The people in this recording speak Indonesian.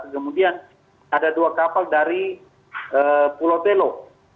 kemudian ada dua kapal dari pulau belo